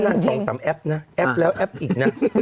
๒๓แอปนะแอปแล้วแอปอีกนะ